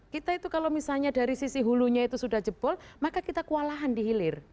kita itu kalau misalnya dari sisi hulunya itu sudah jebol maka kita kualahan dihilir